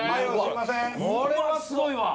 これはすごいわ。